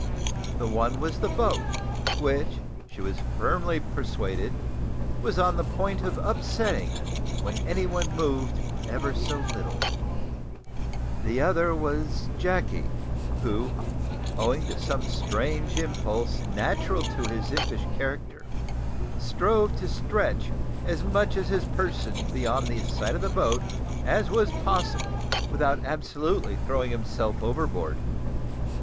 The one was the boat, which, she was firmly persuaded, was on the point of upsetting when any one moved ever so little; the other was Jacky, who, owing to some strange impulse natural to his impish character, strove to stretch as much of his person beyond the side of the boat as was possible without absolutely throwing himself overboard.